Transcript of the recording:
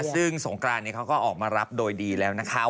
ซึ่งสงกรานนี้เขาก็ออกมารับโดยดีแล้วนะคะ